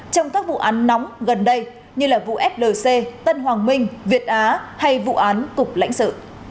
trong các vụ án nóng gần đây như là vụ flc tân hoàng minh việt á hay vụ án cục lãnh sự